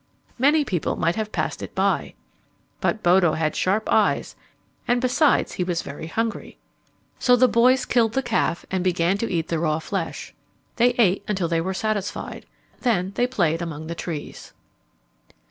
Many people might have passed it by. But Bodo had sharp eyes, and besides he was very hungry. So the boys killed the calf and began to eat the raw flesh. They ate until they were satisfied. Then they played among the trees.